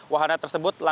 wahana tersebut berjalan